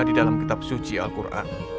di dalam kitab suci al quran